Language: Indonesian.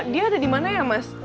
dia ada di mana ya mas